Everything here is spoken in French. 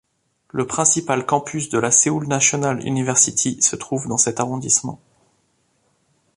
Le principal campus de la Seoul National University se trouve dans cet arrondissement.